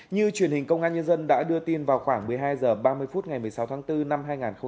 như truyền hình công an nhân dân đã đưa tin vào khoảng một mươi hai h ba mươi phút ngày một mươi sáu tháng bốn năm hai nghìn hai mươi